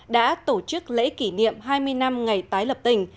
đã tổ chức lễ kỷ niệm hai mươi năm ngày tái lập tỉnh